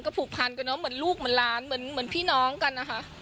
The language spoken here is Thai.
ผูกพันกันเนอะเหมือนลูกเหมือนหลานเหมือนพี่น้องกันนะคะ